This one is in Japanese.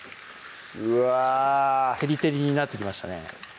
うわ照り照りになってきましたね